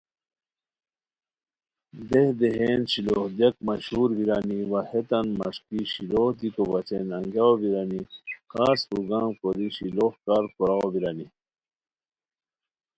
دیھ دیھین شیلوغ دیاک مشہور بیرانی وا ہیتان مݰکی شیلوغ دیکو بچین انگیاؤ بیرانی، خاص پروگرام کوری شیلوغ کار کوراؤ بیرانی